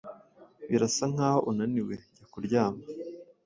Birasa nkaho unaniwe jya kuryama.